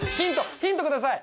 ヒントください！